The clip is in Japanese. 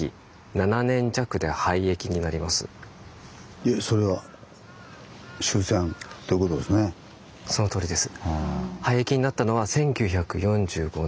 いやそれはそのとおりです。